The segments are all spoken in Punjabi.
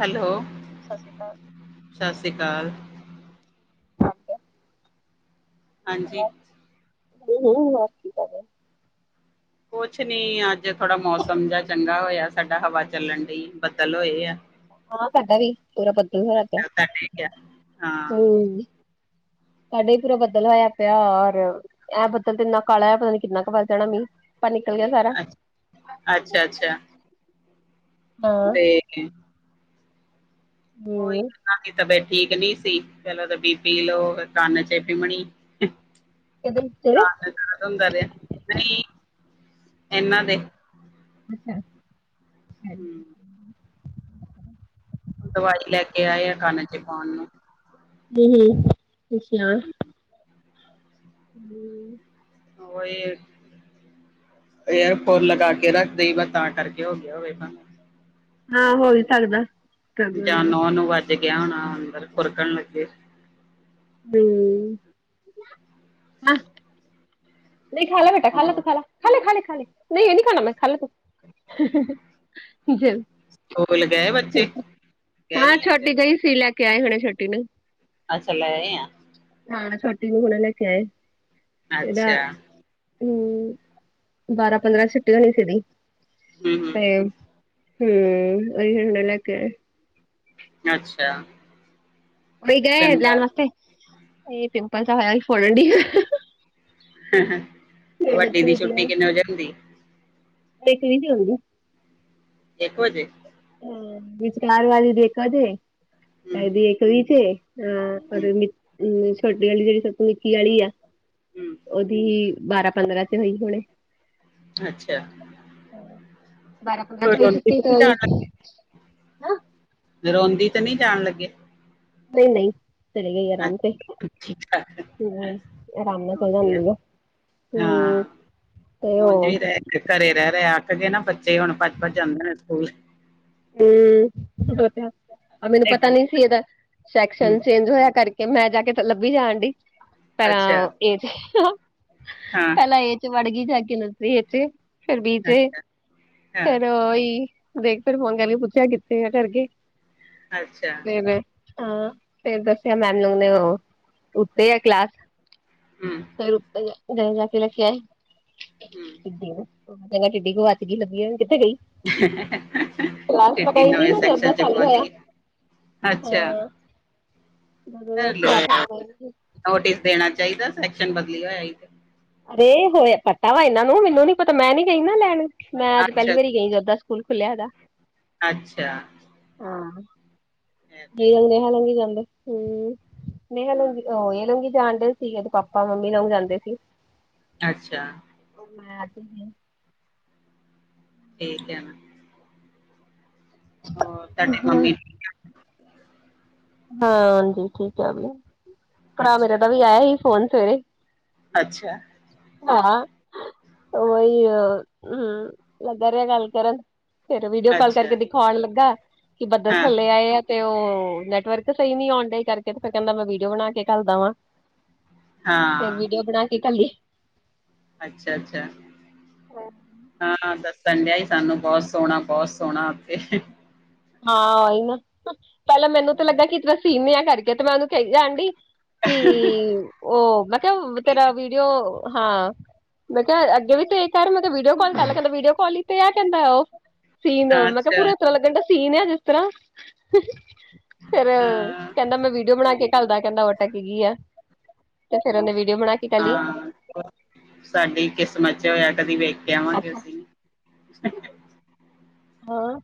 ਹੈਲੋ, ਸਤਿ ਸ਼੍ਰੀ ਅਕਾਲ। ਸਤਿ ਸ੍ਰੀ ਅਕਾਲ। ਹਾਂਜੀ [unintelligible] ਕੁਛ ਨੀ ਅੱਜ ਥੋੜਾ ਮੌਸਮ ਜਿਹਾ ਚੰਗਾ ਹੋਇਆ, ਸਾਡਾ ਹਵਾ ਚੱਲਣ ਲਈ ਬੱਦਲ ਹੋਏ ਆ। ਹਾਂ ਸਾਡਾ ਵੀ ਪੂਰਾ ਬੱਦਲ ਹੋਇਆ, ਪਿਆ ਅੱਛਾ ਤੁਹਾਡੇ ਕਿਆ ਹਾਂ ਹੂੰ। ਸਾਡੇ ਹੀ ਪੂਰਾ ਬੱਦਲ ਹੋਇਆ ਪਿਆ ਔਰ, ਇਹ ਬੱਦਲ ਤੇ ਇੰਨਾ ਕਾਲਾ, ਪਤਾ ਨੀ ਕਿੰਨਾ ਕੁ ਵਰ ਪੈਣਾ ਮੀਂਹ ਸੁੱਕਾ‌ ਨਿਕਲ ਗਿਆ ਸਾਰਾ ਅੱਛਾ ਅੱਛਾ ਅੱਛਾ। ਹਾਂ, [unintelligible] ਉਹੀ ਹੂੰ ਕਰ ਤਾਂ ਬੈਠ ਠੀਕ ਨੀ ਸੀ, ਚਲੋ ਬੀ ਪੀ ਲੋਓ ਕੰਨ ਚ ਪੀਮਣੀ ਕਿਹਦੇ ਤੇਰੇ? ਯਾਦ ਹੁੰਦਾ ਰਿਹਾ ਨਹੀਂ ਇਹਨਾਂ ਦੇ, ਅੱਛਾ, ਹੂੰ [unintelligible] ਦਵਾਈ ਲੈ ਕੇ ਆਏ ਆ, ਕੰਨ ਚ ਪਾਣ ਨੂੰ ਹੂੰ, ਅੱਛਾ। [unintelligible] [unintelligible] ਹੋ ਇਹ ਏਅਰ ਫੋਨ ਲਗਾ, ਕੇ ਰੱਖ ਦੇਈ ਤਾਂ ਕਰਕੇ ਹੋ ਗਿਆ ਹੋਵੇ। ਹਾਂ ਹੋ ਵੀ ਸਕਦਾ। ਜਾਂ ਹੂੰ। ਨੌ ਨੂੰ ਵੱਜ ਗਿਆ, ਹੋਣਾ ਅੰਦਰ ਖੁਰਕਣ ਲੱਗੇ। ਹੂੰ, ਨਹੀਂ ਖਾਲਾ ਬੇਟਾ ਖਾਲਾ ਹਾਂ। ਤੂੰ ਖਾਲਾ। ਖਾਲੇ, ਖਾਲੇ, ਖਾਲੇ, ਨਹੀਂ, ਨਹੀਂ ਖਾਣਾ ਮੈਂ ਖਾਲ ਸਕੂਲ ਗਏ ਬੱਚੇ? ਗਏ ਹਾਂ ਨੀ ਅੱਜ? ਛੋਟੀ ਗਈ ਸੀ, ਲੈ ਕੇ ਆਏ ਹੋਣੇ ਛੋਟੀ ਨੂੰ ਅੱਛਾ [unintelligible] ਹਾਂ ਛੋਟੀ ਵੀ ਹੁਣੇ ਲੱਕੇ ਆਏ। ਇਹਦਾ ਅੱਛਾ, ਹੂੰ ਬਾਰਾਂ ਪੰਦਰਾਂ ਛੁੱਟੀ ਹੋਣੀ ਸੀਦੀ ਹੂੰ ਤੇ, ਹੂੰ ਹੂੰ ਉਹ ਹੁਣ [unintelligible] ਅੱਛਾ ਬਈ ਗਏ ਚੰਗਾ। ਲੈਣ ਵਾਸਤੇ ਇਹ ਪਿੰਪਲ ਤਾਂ ਹੋਇਆ ਫੋੜਣ ਡਈਆਂ। [inaudible] [inaudible] ਵੱਡੀ ਤੋਂ ਦੀ ਨਿਕਲਿਆ ਛੁੱਟੀ ਕਿੰਨੇ ਵਜੇ ਹੁੰਦੀ। [unintelligible] ਇੱਕ ਵਜੇ, ਹ ਵਿਚਕਾਰ ਵਾਲੀ ਦੇ ਹੂੰ ਤੇਦੀ ਇੱਕ ਵੀ ਤੇ, ਹਾਂ ਔਰ ਹੂੰ ਛੋਟੀ ਵਾਲੀ ਜਿਹੜੀ ਸਭ ਤੋਂ ਮਿੱਕੀ ਵਾਲੀ ਆ ਹੂੰ ਉਹਦੀ ਬਾਰਾਂ ਪੰਦਰਾਂ ਚ ਹੋਈ ਹੁਣੇ, ਅੱਛਾ, ਬਾਰਾਂ ਪੰਦਰਾਂ ਕੋਈ ਚ ਵਈ ਰੋਂਦੀ ਤੇ ਸੀਤੀ ਨੀ ਜਾਣ [unintelligible] ਰੋਂਦੀ ਤਾਂ ਨਹੀਂ ਜਾਣ ਲੱਗੇ, ਨਹੀਂ-ਨਹੀਂ ਚਲੀ ਗਈ ਆਰਾਮ ਤੇ। ਅੱਛਾ ਠੀਕ-ਠਾਕ ਹੂੰ ਰਾਮ ਵਧੀਆ। ਨਾਲ ਹਾਂ [unintelligible] ਤੇ ਉਂਝ ਉਹ, ਵੀ ਰਹਿ ਘਰੇ ਰਹਿ ਰਹੇ ਅੱਕ ਕੇ ਨਾ ਬੱਚੇ ਹੁਣ ਭੱਜ- ਭੱਜ ਜਾਂਦੇ ਨੇ ਸਕੂਲ ਹੂੰ ਮੈਨੂੰ ਇੱਕ ਪਤਾ ਨੀ ਮਿੰਟ, ਸੀ ਇਹਦਾ ਹੂੰ, ਸੈਕਸ਼ਨ ਚ ਜੋਇਆ ਕਰਕੇ ਮੈਂ ਜਾ ਕੇ ਲੱਭੀ ਜਾਣ ਡੀ ਅੱਛਾ ਪਰਾਂ ਇਹ ਤੇ [inaudible] ਹਾਂ ਮੈ ਏ 'ਚ ਵੜ ਗਈ ਜਾ ਕੇ ਨਸ਼ਰੀ ਏ 'ਚ ਫਿਰ ਬੀ 'ਚ ਅੱਛਾ, ਅੱਛਾ, ਫੇਰ ਉ ਓਹੀ ਦੇਖ ਫਿਰ ਫੋਨ ਕਰ ਪੁੱਛਿਆ ਕਿੱਥੇ ਆ ਕਰਕੇ ਅੱਛਾ, [unintelligible] ਹਾਂ ਫੇਰ ਦੱਸਿਆ ਮੈਮ ਨੂੰ ਨੇ ਉਹ ਉੱਤੇ ਆ ਕਲਾਸ ਹੂੰ, ਫਿਰ ਉਪਰ ਜਾ ਆਏ ਕੇ ਲੈ ਕੇ ਆਏ। ਹੂੰ, [inaudible] ਕਹਿੰਦੇ ਟਿੱਡੀ ਗੁਵਾ 'ਚ ਗੀ ਲੱਬੀਉ ਨਹੀਂ ਕਿਥੇ ਗਈ। ਕਲਾਸ ਟਿੱਡੀ ਲਗਾਈ ਦੀ ਨਵੇਂ ਜਦ ਦਾ ਸੈਕਸ਼ਨ ਚ [unintelligible] ਪਹੁੰਚ ਹੋਇਆ ਗਈ। ਅੱਛਾ, ਹਾਂ। ਦੋ ਹਜ਼ਾਰ ਸਤਾਰਾਂ ਨੋਟਿਸ ਦੇਣਾ ਚਾਹੀਦਾ ਸੈਕਸ਼ਨ ਬਦਲੀ ਹੋਇਆ ਹੀ। ਰੇ ਹੋਇਆ ਪਤਾ ਵਾ ਇਹਨਾਂ ਨੂੰ ਮੈਨੂੰ ਨੀ ਪਤਾ ਮੈਂ ਨੀ ਗਈ ਨਹੀਂ ਲੈਣ ਮੈਂ ਅੱਜ ਪਹਿਲੀ ਅੱਛਾ, ਵਾਰੀ ਗਈ ਜਦ ਦਾ ਸਕੂਲ ਖੁੱਲਿਆ ਇਹਦਾ ਅੱਛਾ ਆਹ [unintelligible] ਜ ਜਾਂਦੇ ਹ ਲੰਘ ਜਾਂਦੇ ਹ ਨਹੀਂ ਲੰਗੀ ਉਹ ਇਹ ਲੰਗੀ ਜਾਣਦੇ ਸੀਗੇ ਪਾਪਾ ਮੰਮੀ ਨਾਲ ਜਾਂਦੇ ਸੀ। ਅੱਛਾ ਤੋ ਮੈਂ ਆ ਜਾਨੀ ਆ। ਦੇਖ ਲਿਆ ਮੈਂ ਹੋਰ ਤੁਹਾਡੀ ਮੰਮੀ ਹਾਂਜੀ ਠੀਕ ਆ ਵੀ ਭਰਾ ਮੇਰੇ ਅੱਛਾ, ਦਾ ਵੀ ਆਇਆ ਸੀ ਫੋਨ ਸਵੇਰੇ ਅੱਛਾ ਹਾਂ ਅੱਛਾ, ਹਾਂ, ਉਹੀ ਹੂੰ ਲੱਗ ਰਿਹਾ ਗੱਲ ਕਰਨ ਫਿਰ ਵੀਡੀਓ ਕਾਲ ਕਰਕੇ ਦਿਖਾਉਣ ਲੱਗਾ ਕਿ ਬੱਦਲ ਥੱਲੇ ਆਏ ਆ ਤੇ ਉਹ ਨੈ ਵਰਕ ਸਹੀ ਨੀ ਆਉਣ ਡਏ ਕਰਕੇ ਫਿਰ ਕਹਿੰਦਾ ਮੈਂ ਵੀਡੀਓ ਬਣਾ ਕੇ ਘਲਦਾ ਵਾਂ। ਫਿਰ ਹਾਂ, ਵੀਡੀਓ ਬਣਾ ਕੇ ਘੱਲੀ। ਅੱਛਾ- ਅੱਛਾ ਹਾਂ ਦੱਸਣ ਡਿਆ ਹੀ ਸਾਨੂੰ ਬਹੁਤ ਸੋਹਣਾ ਬਹੁਤ ਸੋਹਣਾ ਉੱਥੇ [inaudible] ਹਾਂ ਹੀ ਨਾ ਪਹਿਲਾਂ ਮੈਨੂੰ ਤੇ ਲੱਗਾ ਕਿ ਤ ਸੀਨ ਆ ਕਰਕੇ ਤੇ ਮੈਂ ਉਹਨੂੰ ਕਹੀ ਜਾਂ ਡੀ। ਕਿ ਉਹ ਮੈਂ ਕਿਹਾ ਤੇਰਾ ਵੀਡੀਓ ਹਾਂ। ਮੈਂ ਕਿਹਾ ਅੱਗੇ ਵੀ ਤੇ ਕਰ ਮੈਂ ਕਿਹਾ ਵੀਡੀਓ ਕਰ ਲੈ ਕਹਿਦਾ ਵੀਡੀਓ ਕਾਲ ਹੀ ਤੇ ਆ ਕਹਿੰਦਾ ਉਹ ਸੀਨ ਮੈਂ ਕਿਹਾ ਅੱਛਾ, ਪੂਰਾ ਇਸ ਤਰ੍ਹਾਂ ਲੱਗਣ ਦਾ ਸੀਨ ਆ ਜਿਸ ਤਰ੍ਹਾਂ [inaudible] ਫੇਰ ਹਾਂ, ਕਹਿੰਦਾ ਮੈਂ ਵੀਡੀਓ ਬਣਾ ਕੇ ਘੱਲਦਾ ਕਹਿੰਦਾ ਅਟਕ ਗਈ ਆ ਤੇ ਫਿਰ ਉਹਦੇ ਵੀਡੀਓ ਬਣਾ ਕੇ ਘੱਲੀ। ਹਾਂ। ਸਾਡੀ ਕਿਸਮਤ ਹੋਇਆ ਕਦੀ ਵੇਖ ਕੇ ਆਵਾਂਗੇ ਹਾਂ ਅਸੀਂ ਹਾਂ।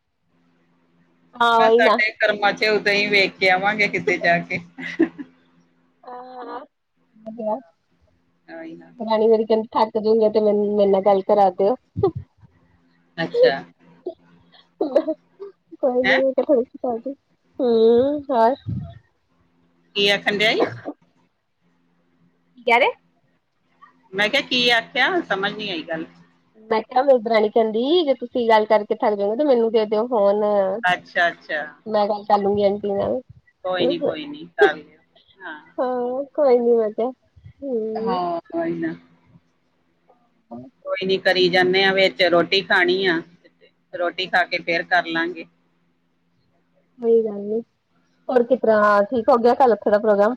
ਮੈਂ, ਉਹੀ ਨਾ ਸਾਡੇ ਕਰਮਾਂ ਚ, ਉਦੋਂ ਹੀ ਵੇਖ ਕੇ ਆਵਾਂਗੇ। ਕਿਤੇ ਜਾ ਕੇ। [unintelligible] ਹ ਆਹੀ ਨਾ ਰਾਣੀ ਮੇਰੀ ਕਹਿੰ ਥੱਕ ਜੂਗਾ ਤੇ ਮੈਨੂੰ ਮੇਰੇ ਨਾਲ ਗੱਲ ਕਰਾ ਦਿਓ। ਅੱਛਾ [unintelligible] ਹੈਂ ਹੂੰ [unintelligible] ਕੀ ਆਖਣ ਡਿਆਈ। ਕਿਆ ਰੇ ਮੈਂ ਕਿਹਾ ਕੀ ਆਖਿਆ ਸਮਝ ਨਹੀਂ ਆਈ ਗੱਲ ਮੈਂ ਕਿਹਾ ਮੇਰੀ ਦਰਾਨੀ ਕਹਿੰਦੀ ਜੇ ਤੁਸੀਂ ਗੱਲ ਕਰਕੇ ਥੱਕ ਜਾਓਗੇ ਤੇ ਮੈਨੂੰ ਤੇ ਦਿਓ ਫੋਨ ਅੱਛਾ- ਅੱਛਾ ਮੈਂ, ਗੱਲ ਕਰ ਲੂਗੀ। ਆਂਟੀ ਨਾਲ। ਕੋਈ ਨੀ- ਕੋਈ ਨੀ ਤਾਂ ਕਰ ਲਿਆ, ਹਾਂ। ਹਾਂ। ਕੋਈ ਨੀ, ਮਜਾ। ਹਾਂ। ਕੋਈ ਨਾ। ਹੂੰ। ਕੋਈ ਨੀ, ਕਰੀ ਜਾਂਦੇ ਆ। ਵਿਚ, ਰੋਟੀ ਖਾਣੀ ਆ। ਰੋਟੀ ਖਾ ਕੇ, ਫੇਰ ਕਰ ਲਾਂਗੇ। [unintelligible] ਉਹੀ ਗੱਲ ਨੀ ਹੋਰ ਕਿਸ ਤਰਾਂ? ਠੀਕ ਹੋ ਗਿਆ। ਕੱਲ ਉਥੇ ਦਾ ਪ੍ਰੋਗਰਾਮ।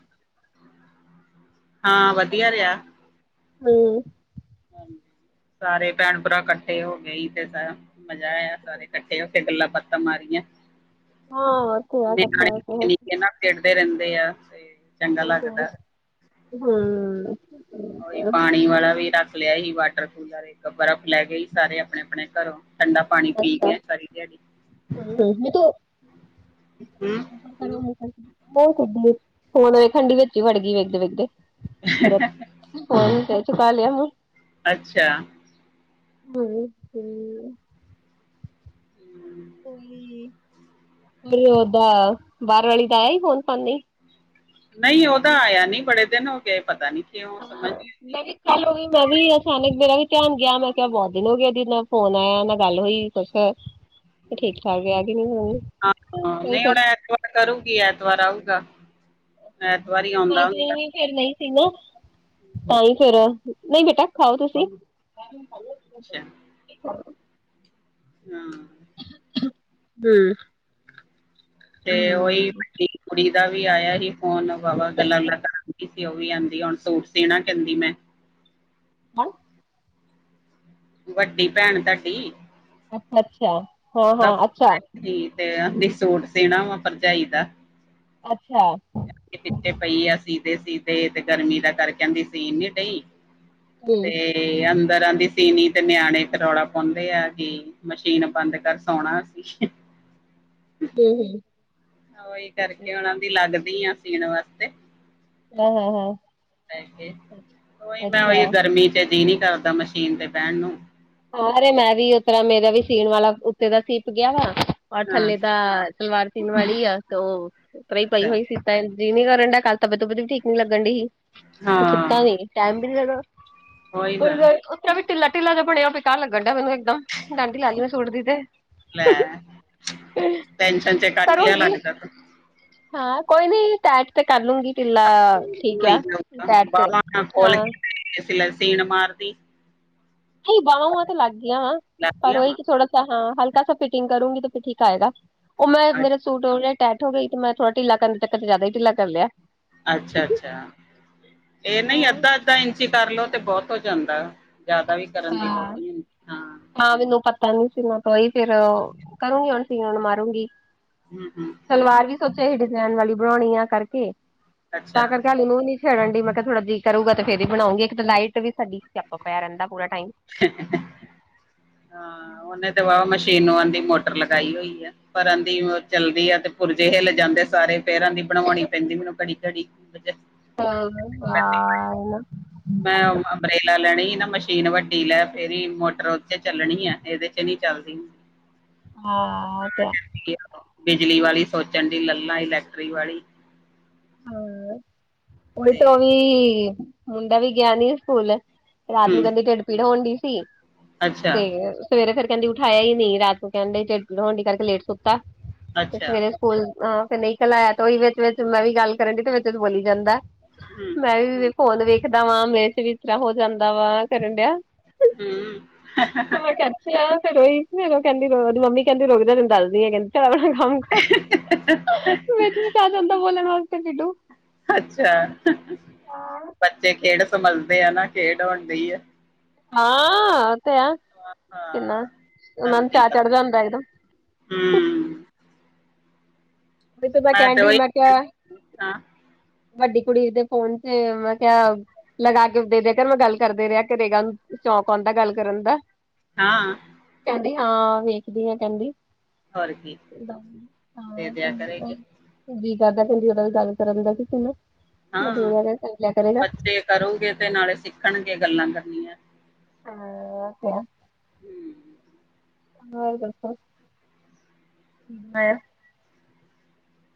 [inaudible] ਵਧੀਆ ਰਿਹਾ ਹਾਂਜੀ। ਹਾਂ। ਸਾਰੇ ਭੈਣ- ਭਰਾ ਇਕੱਠੇ ਹੋ ਗਏ। ਸੀ, ਤੇ ਸ- ਮਜ਼ਾ ਆਇਆ। ਸਾਰੇ ਇਕੱਠੇ, ਹੋ ਕੇੇ ਗੱਲਾਂ- ਬਾਤਾਂ ਮਾਰੀਆਂ। ਹਾਂ ਉੱਥੇ ਆ ਇਕੱਠਾ ਨਿਆਣੇ ਹੋ ਕੇ ਨਿੱਕੇ- ਨਿੱਕੇ, ਨਾ ਖੇਡਦੇ ਰਹਿੰਦੇ ਆ। ਤੇ ਚੰਗਾ ਲੱਗਦਾ। ਹੂੰ। ਉਹੀ, ਪਾਣੀ ਵਾਲਾ ਵੀ, ਰੱਖ। ਲਿਆ ਹੀ ਵਾਟਰ ਕੂਲਰ। ਇੱਕ ਬਰਫ਼ ਲੈ ਗਏ ਹੀ। ਸਾਰੇ ਆਪਣੇ- ਆਪਣੇ ਘਰੋਂ, ਠੰਡਾ ਪਾਣੀ ਪੀ ਗਿਆਏ ਸਾਰੀ। ਜ [unintelligible] ਹੂੰ-ਹੂੰ, ਨੀ ਤੂੰ। ਹੂੰ ਹੁਣ, ਖੰਡੀ ਵਿੱਚ ਹੀ, ਵੜ ਗਈ ਵੇਖਦੇ- ਵੇਖਦੇ। ਪੁਰਾ ਸ [unintelligible] ਕ ਚੁੱਕ ਲਿਆ ਮ ਅੱਛਾ। ਹੂੰ-ਹੂੰ। ਹੂੰ, ਓਦਾ, ਬਾਹਰ ਵਾਲੀ, ਦਾ ਆਇਆ ਹੀ ਫੋਨ। ਤੁਹਾਨੂੰ ਵੀ। ਨਹੀਂ ਉਹਦਾ ਆਇਆ ਨੀ। ਬੜੇ ਦਿਨ ਹੋ ਗਏ। ਪਤਾ ਨੀ ਕਿਉਂ। ਸਮਝ ਹਾਂ ਨੀ- ਮੈਂ ਵੀ ਕੱਲ ਹੋ ਗਈ। ਮੈਂ ਵੀ, ਅਚਾਨਕ ਮੇਰਾ ਵੀ ਧਿਆਨ ਗਿਆ। ਮੈਂ ਕਿਹਾ, ਬਹੁਤ ਦਿਨ ਹੋ ਗਏ। ਦੀ ਨਾ ਫੋਨ ਆਇਆ, ਨਾ ਕੁਛ। ਗੱਲ ਹੋਈ ਏ। ਕੁਛ ਨਾ - [inaudible] ਠੀਕ- ਠਾਕ ਆ। ਕਿ ਹੋ ਆਈ। ਹਾਂ ਫੇ ਨਹੀਂ ਹੁਣ ਐਤਵਾਰ ਕਰੂਗੀ। ਐਤਵਾਰ ਆਊਗਾ। ਐਤਵਾਰ ਹੀ ਆਉਂਦਾ। ਨਹੀ ਫੇਰ ਨਹੀ। ਠ [unintelligible] ਨਾ ਤਾਂ ਹੀ ਫੇਰ ਨਹੀਂ ਬੇਟਾ ਖਾਓ ਤੁਸੀਂ। [unintelligible] ਅੱਛਾ। ਹਾਂ। ਹਾਂ। ਹੂੰ। ਤੇ, ਉਓਹੀ ਵਡੀ ਕੁੜੀ, ਦਾ ਵੀ ਆਇਆ ਸੀ, ਫੋਨ। ਵਵਾ ਗੱਲਾਂ- ਗੁਲਾਂ ਕਰਾਂਦੀ। ਉਹ ਵੀ ਆਂਦੀ ਆ, ਹੁਣ ਸੂਟ ਸਿਣਾ, ਕਹਿੰਦੀ ਮੈਂ। ਹ। ਵੱਡੀ ਭੈਣ, ਤੁਹਾਡੀ। ਅੱਛਾ ਅੱਛਾ ਹਾਂ ਹਾਂ ਅੱਛਾ ਤੇਠ ਤੇ ਆਦੀ ਸੋਟ ਸਣਾ ਵਾ ਭਰਜਾਈ ਦਾ ਅੱਛਾ। ਪਿੱਛੇ ਪਈ ਆ। ਸੀਦੇ- ਸੀਦੇ, ਤੇ ਗਰਮੀ ਦਾ ਕਰਕੇ। ਆਹਿੰਦੀ ਸੀਨ ਨੀ ਡਹੀ ਹੂੰ ਤੇ। ਤੇ, ਅੰਦਰਾਂ ਦੀ ਸੀਨੀ ਤੇ। ਨਿਆਣੇ ਤੇ ਰੌਲਾ ਪਾਉਂਦੇ, ਆ। ਕਿ, ਮਸ਼ੀਨ ਬੰਦ ਕਰ। ਸੋਣਾ ਸੀ। ਹੂੰ-ਹੂੰ। ਉਹੀ ਕਰਕੇ, ਉਹਨਾਂ ਦੀ, ਲੱਗਦੀ ਆ ਸੀਣ ਵਾਸਤੇ। ਹਾਂ ਹਾਂ ਹਾਂ ਉਹੀ, ਮੈਂ ਉਹੀ, ਅੱਛਾ ਗਰਮੀ ਚ ਜੀ ਨੀ ਕਰਦਾ। ਚੀਨ 'ਤੇ ਪਹਿਣ ਨੂੰ ਹੋਰ ਮੈਂ ਵੀ ਉਤ ਮੇਰਾ ਵੀ ਸੀਣ ਵਾਲਾ ਉੱਤੇ ਦਾ ਸੀਪ ਗਿਆ ਵਾ ਔਰ ਹਾਂ ਥੱਲੇ ਦਾ ਸਲਵਾਰ ਚਨ ਵਾਲੀ ਆ ਤੇ ਉਹ ਉਪਰ ਹੀ ਪਈ ਅੱਛਾ ਹੋਈ ਸੀ ੈ ਜੀ ਨੀ ਕਰਨ ਡ ਕੱਲ ਤਬੀਅਤ ਤਬਤਬ ਵੀ ਠੀਕ ਨੀ ਲੱਗਣ ਦੀ ਸੀ ਨ ਹਾਂ ਟਾਈਮ ਵੀ ਲਣਾ ਉਹੀ ਕੋਈ ਨਾ ਉੱਥੇ ਵੀ ਢਿੱਲਾ ਢਿੱਲਾ ਜ ਬਣਿਆ ਪ ਬਕਾਰ ਲੱਗਣ ਡਿਆ ਮੈਨੂੰ ਦ ਡਾਂਡੀ ਲਾ ਸੂਟ ਦੀ ਤੇ ਲੈ ਟੈਨਸ਼ਨ ਚ ਕੱਟ ਲਿਆ ਕਰੋਂਗੀ ਲੱਗਦਾ ਤੂੰ ਹਾਂ ਕੋਈ ਨੀ ਟੈ ਤੇ ਕਰ ਲੂੰਗੀ ਕਿੰਨਾ ਠੀਕ ਹੋਈ ਸਾਈਡ ਤੇ ਹਾਂ ਸ ਸੀਣ ਮਾਰਦੀ ਨਹੀਂ ਬਾਹ ਵਹ ਤੇ ਲੱਗ ਗਿਆ ਪਰ ਲੱਗਦੀਆਂ ਉਹੀ ਵਾ ਥੋੜਾ ਹਾਂ ਹਲਕਾ ਸ ਫਿਟਿੰਗ ਕਰੂੰਗੀ ਤੇ ਫਿਰ ਠੀਕ ਆਏਗਾ ਉਹ ਮੈਂ ਮੇਰੇ ਅੱਛਾ ਸੂਟ ਟੈਟ ਹੋ ਗਈ ਤੇ ਮੈਂ ਥੋੜਾ ਢਿੱਲਾ ਕਰਨ ਚੱਕ ਤੇ ਜ਼ਿਆਦਾ ਢਿੱਲਾ ਕਰ ਲਿਆ ਅੱਛਾ ਅੱਛਾ ਇਹ ਨਹੀਂ ਹਾਂ ਅੱਧਾ ਅੱਧਾ ਇੰਚ ਕਰ ਲੋ ਤੇ ਬਹੁਤ ਹੋ ਜਾਂਦਾ ਜ਼ਿਆਦਾ ਵੀ। ਕਰਨ ਦੀ ਲੋੜ ਹਾਂ ਨਹੀਂ ਹੁੰਦੀ ਹਾਂ ਮੈਨੂੰ ਪਤਾ ਨੀ ਸੀ ਮੈਂ ਤੋਂਈ ਫਿਰ ਕਰੂੰਗੀ ਹੁਣ ਧੀਆਂ ਨੂੰ ਮਾਰੂਗੀ ਹੂ ਸਲਵਾਰ ਵੀ ਸੋਚਿਆ ਸੀ ਡਿਜ਼ਾਇਨ ਵਾਲੀ ਬਣਾਉਣੀ ਆ ਕਰਕੇ ਅੱਛਾ ਤਾਂ ਕਰਕੇ ਹਾਲੇ ਮੂੰਹ ਨੀ ਛੜਨ ਦੀ ਮੈਂ ਕਿਹਾ ਥੋੜਾ ਜਹੀ ਕਰੂਗਾ ਤੇ ਫਿਰ ਬਊਂਗੀ ਇੱਕ ਤਾਂ ਲਾਈਟ ਵੀ ਸਾਡੀ ਚੱਪ ਪਿਆ ਰਹਿੰਦਾ ਪੂਰਾ ਟਾਈਮ। ਹਾਂ ਉਹਨੇ ਤੇ ਵ ਮਸ਼ੀਨ ਨੂੰ ਆਉਂਦੀ ਮੋਟਰ ਲਗਾਈ ਹੋਈ ਆ ਪਰਾਂ ਦੀ ਚੱਲਦੀ ਆ ਤੇ ਪੁਰਜੇਹੇ ਲਿਜ ਜਾਂਦੇ ਸਾਰੇ ਪੈਰਾਂ ਦੀ ਬਣਾਵਾਉਣੀ ਪੈਂਦੀ ਮੈਨੂੰ ਕੜੀ ਘੜੀ [unintelligible] ਹਾਂ ਆਏ ਨਾ ਮੈਂ ਅੰਬਰੇਲਾ ਲੈਣੀ ਹੀ ਨਾ ਮਸ਼ੀਨ ਵੱਡੀ ਲੈ ਫਿਰ ਮੋਟਰ ਉਥ ਚੱਲਣੀ ਆ ਇਹਦੇ ਚ ਨੀ ਚੱਲਦੀ ਹਾਂ ਅ ਤੇ ਬਿਜਲੀ ਵਾਲੀ ਸੋਚਣ ਦੀ ਲੱਾਂ ਇਲੈਕਟ੍ਰਿਕ ਵਾਲੀ [unintelligible] ਤੋਂ ਤੇ ਵੀ ਮੁੰਡਾ ਵੀ ਗਿਆ ਨੀ ਸਕੂਲ ਰਾਤ ਨੂੰ ਹੂੰ ਕਹਿੰਦੀ ਢਿੱਡ ਪੀੜ ਹਦੀ ਸੀ ਅੱਛਾ ਤੇ ਸਵੇਰੇ ਫਿਰ ਕਹਿੰਦੀ ਉਠਾਇਆ ਹੀ ਨ ਰਾਤ ਨੂੰ ਕਹਿੰਦੇ ਖਿਡਾਉਣੀ ਕਰਕੇ ਲੇਟ ਸੁੱਤਾ ਤੇ ਅੱਛਾ ਸਵੇਰੇ ਸਕੂਲ ਅ ਫਿਰ ਨਹੀਂ ਕਲਇਆ ਉਹੀ ਵਿੱਚ ਵਿਚ ਮੈਂ ਵੀ ਗੱਲ ਕਰਨ ਡ ਤੇ ਵਿੱਚ ਬੋਲੀ ਜਾਂਦਾ। ਹੂੰ ਮੈਂ ਵੀ ਘੋਣ ਵੇਖਦਾ ਵਾਂ ਵੈਸੇ ਵੀ ਰਾ ਹੋ ਜਾਂਦਾ ਵਾ ਕਰਨ ਡਿਆ ਹੂੰ ਚ ਤੇ ਰੋਈ ਫਿਰ ਉਹ ਕਹਿੰਦੀ ਉਹਦੀ ਮੰਮੀ ਕਹਿੰਦੀ ਰੁਕ ਜਾ ਦੱਸਦੀ ਹੈ ਕਹਿੰਦੀ ਚੱਲ ਆਪਣਾ ਕੰਮ ਕਰ [unintelligible] ਵਿੱਚ ਵਿੱਚ ਵਾ ਜਾਂਦਾ ਬੋਲਣ ਵਾਲਾ ਢਿੱਡੂ ਅੱਛਾ ਬੱਚੇ ਖੇਡ ਸੰਲਦੇ ਆ ਨਾ ਖੇਡ ਹੋਣ ਗਈ ਹੈ ਹਾਂ ਉਹ ਤੇ ਆ ਕਿੰਨਾਂ ਹਾਂ ਨੂੰ ਚਾਹ ਚੜਦਾ ਇਦਾਂ ਹੂ ਉਹੀ ਮੈਂ ਕਹਿਣ ਤੇ ਡਈ ਉਹੀ ਕਿਹਾ ਹਾਂ ਵੱਡੀ ਕੁੜੀ ਦੇ ਫੋਨ ਚ ਮੈਂ ਕਿਹਾ ਲਗਾ ਕੇ ਦੇ ਦੇ ਕਰ ਮੈਂ ਗੱਲ ਕਰਦੇ ਰਿਹਾ ਘਰੇਗਾ ਨੂੰ ਸ਼ੌਂਕ ਆਉਂਦਾ ਗੱਲ ਕਰਨ ਦਾ ਹਾਂ ਕਹਿੰਦੀ ਹਾਂ ਵੇਖਦੀ ਆ ਕਹਿੰਦੀ ਹੋਰ ਕੀ ਹਾਂ ਦੇ ਦਿਆ ਕਰੇਗੀ ਹੋਰ ਜੀ ਕਰਦਾ ਕਹਿੰਦੀ ਉਹਦਾ ਵੀ ਗੱਲ ਕਰਨ ਦਾ ਕਿਸ ਨਾ ਹਾਂ ਬੱਚੇ ਕਰੋਗੇ ਤੇ ਨਾਲੇ ਸਿੱਖਣਗੇ ਗੱਲਾਂ ਕਰਨੀਆਂ ਹਾਂ ਓ ਹੂੰ ਹੋਰ ਦੱਸੋ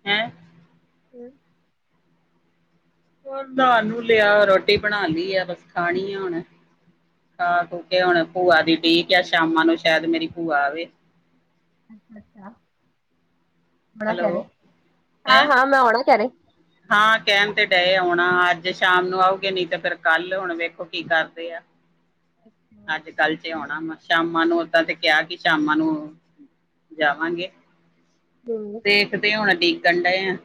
ਹੈਂ ਹੂ ਹੋਰ ਤੁਹਾਨੂੰ ਲਿਆ, ਰੋਟੀ ਬਣਾ ਲੀ ਐ, ਬਸ ਖਾਣੀ ਐ ਹੁਣ। ਆ ਕਿਉਂਕਿ ਹੁਣ ਭੂਆ ਦੀ ਉਡੀਕ ਐ, ਸ਼ਾਮਾਂ ਨੂੰ ਸ਼ਾਇਦ ਮੇਰੀ ਭੂਆ ਆਵੇ। ਅੱਛਾ ਅੱਛਾ ਆਪਣਾ ਘਰ ਐ, ਹੈਲੋ ਹਾਂ ਹੈਂ ਹਾਂ ਮੈਂ ਆਉਣਾ ਘਰੇ। ਹਾਂ ਕਹਿਣ ਤੇ ਡਏ ਐ, ਹੁਣ ਅੱਜ ਸ਼ਾਮ ਨੂੰ ਆਊਗੇ, ਨੀ ਤੇ ਫੇਰ ਕੱਲ, ਹੁਣ ਵੇਖੋ ਕੀ ਕਰਦੇ ਆ। ਅੱਜ ਕੱਲ ਚ ਆਉਣਾ ਮੈਂ। ਸ਼ਾਮਾਂ ਨੂੰ ਓਦਾਂ ਤੇ ਕਿਹਾ, ਕਿ ਸ਼ਾਮਾਂ ਨੂੰ ਜਾਵਾਂਗੇ। ਕੀ ਹੋ ਰਿਹਾ ਹੈ। ਦੇਖਦੇ ਹੁਣ ਡੀਕਣ ਡਏ ਐ।